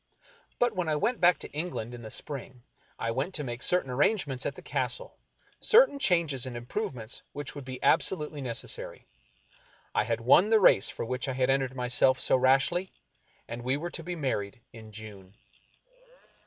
But when I went back to England in the spring, I went to make certain arrangements at the Castle — certain changes and improvements which would be abso lutely necessary. I had won the race for which I had entered myself so rashly, and we were to be married in June.